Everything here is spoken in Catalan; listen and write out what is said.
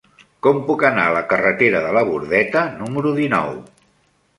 Com puc anar a la carretera de la Bordeta número dinou?